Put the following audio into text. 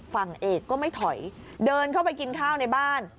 ฝั่งเอกก็ไม่ถอยเดินเข้าไปกินข้าวในบ้าน